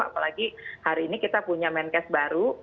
apalagi hari ini kita punya menkes baru